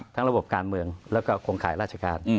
ระบบการเมืองแล้วก็โครงข่ายราชการ